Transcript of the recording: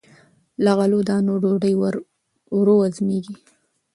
له غلې- دانو ډوډۍ ورو هضمېږي.